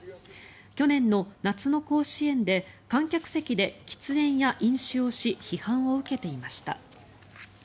去年の夏の甲子園で観客席で喫煙や飲酒をし批判を受けていました。